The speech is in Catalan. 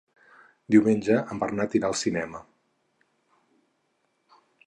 Diumenge en Bernat irà al cinema.